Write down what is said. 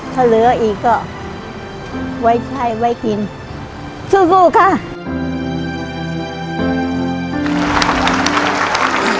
ถ้าเหลืออีกก็ไว้ใช่ไว้กิน